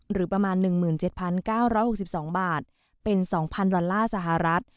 หรือประมาณ๑๗๙๖๒บาทเป็น๒๐๐ดอลลาร์สหรัฐ